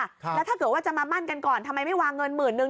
แล้วถ้าเกิดว่าจะมามั่นกันก่อนทำไมไม่วางเงินหมื่นนึง